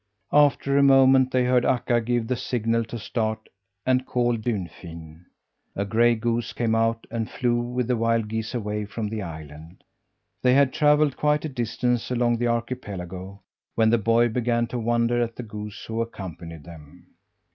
After a moment they heard Akka give the signal to start, and called Dunfin. A gray goose came out and flew with the wild geese away from the island. They had travelled quite a distance along the archipelago when the boy began to wonder at the goose who accompanied them.